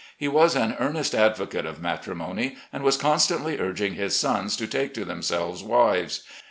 He was an earnest advocate of matrimony, and was constantly urging his sons to take to themselves wives.